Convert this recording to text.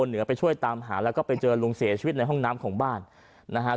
เหนือไปช่วยตามหาแล้วก็ไปเจอลุงเสียชีวิตในห้องน้ำของบ้านนะฮะ